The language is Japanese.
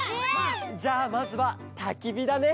じゃあまずはたきびだね。